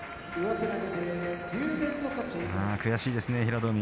悔しいですね、平戸海。